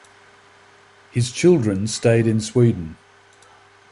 His children stayed in Sweden.